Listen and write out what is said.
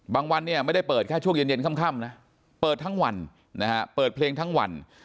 วันเนี่ยไม่ได้เปิดแค่ช่วงเย็นค่ำนะเปิดทั้งวันนะฮะเปิดเพลงทั้งวัน